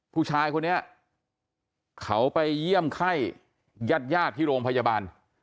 ผู้ชายคนนี้เขาไปเยี่ยมไข้ญาติญาติที่โรงพยาบาล